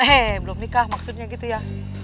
hei belum nikah maksudnya gitu ya